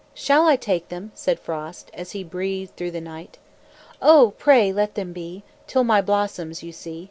"Shall I take them?" said Frost, As he breathed thro' the night. "Oh! pray let them be, Till my blossoms you see!"